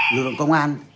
dự luận công an